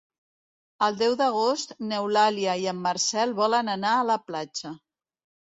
El deu d'agost n'Eulàlia i en Marcel volen anar a la platja.